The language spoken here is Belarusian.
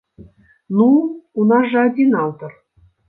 Ну, у нас жа адзін аўтар.